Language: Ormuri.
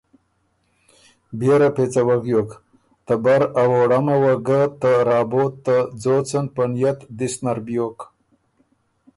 بيې ره پېڅه وغیوک، ته بر ا ووړمه وه ګۀ ته رابوت ته ځوڅن په نئت دِست نر بیوک۔